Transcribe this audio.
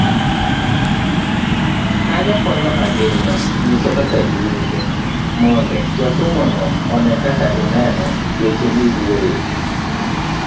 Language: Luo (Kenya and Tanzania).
Kanyo konyo ahinya nyiso kaka iwinjo , mondo jasomono one kaka ineno weche miwuoyoe.